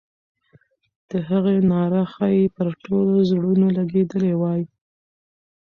د هغې ناره ښایي پر ټولو زړونو لګېدلې وای.